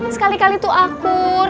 sekali kali tuh akur